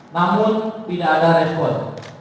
namun tidak ada respon